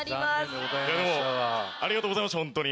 ありがとうございました本当に。